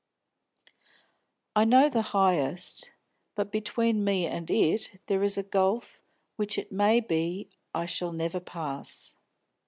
I know the highest, but between me and it there is a gulf which it may be I shall never pass."